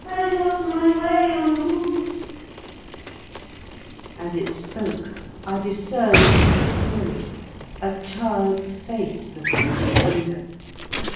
As it spoke, I discerned, obscurely, a child's face looking through the window.